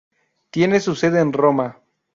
Tiene su sede en Roma.